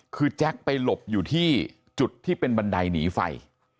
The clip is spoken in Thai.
คือแจ็คไปหลบอยู่ที่จุดที่เป็นบันไดหนีไฟ